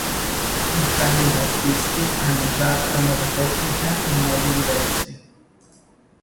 Entrambi gli artisti hanno usato la nuova tecnica in modi diversi.